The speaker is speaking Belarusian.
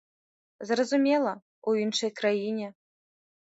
Зразумела, у іншай краіне.